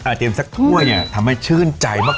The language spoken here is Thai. เตรียมสักถ้วยเนี่ยทำให้ชื่นใจมาก